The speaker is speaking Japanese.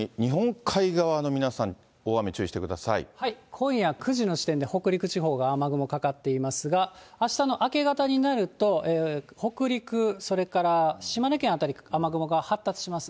今夜９時の時点で、北陸地方が雨雲かかっていますが、あしたの明け方になると、北陸、それから島根県辺り、雨雲が発達します。